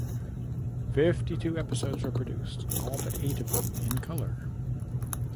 Fifty-two episodes were produced, all but eight of them in colour.